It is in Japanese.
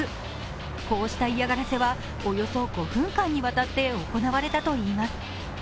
こうした嫌がらせは、およそ５分間にわたって行われたといいます。